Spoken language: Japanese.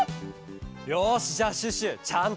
よしじゃあシュッシュちゃんとあててね！